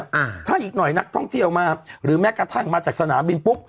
อ่าถ้าอีกหน่อยนักท่องเที่ยวมาหรือแม้กระทั่งมาจากสนามบินปุ๊บ